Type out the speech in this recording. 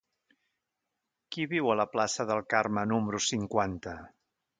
Qui viu a la plaça del Carme número cinquanta?